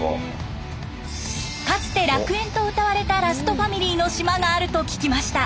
かつて「楽園」とうたわれたラストファミリーの島があると聞きました。